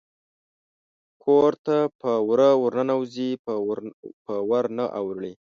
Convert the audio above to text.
کور ته په وره ورننوزي په ور نه اوړي